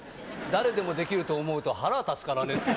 誰でもできると思うと腹が立つからね。